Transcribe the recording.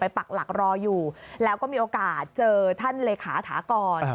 ปักหลักรออยู่แล้วก็มีโอกาสเจอท่านเลขาถากร